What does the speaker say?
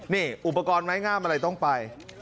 นี่อุปกรณ์ไม้งามอะไรต้องไป